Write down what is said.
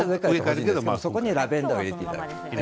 そこにはラベンダーを入れていただく。